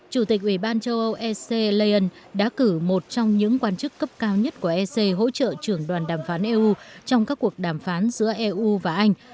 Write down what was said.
chủ tịch ủy ban châu âu ec leon đã cử một trong những quan chức cấp cao nhất của ec hỗ trợ trưởng đoàn đàm phán eu trong các cuộc đàm phán giữa eu và anh